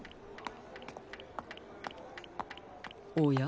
おや？